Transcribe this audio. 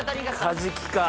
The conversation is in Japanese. カジキか。